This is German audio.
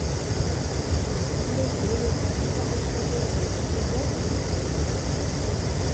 Schulen ohne Computerausstattung müssen zur Seltenheit werden!